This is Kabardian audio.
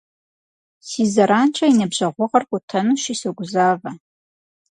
Си зэранкӏэ я ныбжьэгъугъэр къутэнущи согузавэ.